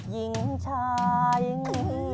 ยิ่งจริง